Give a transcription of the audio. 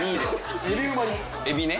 エビね！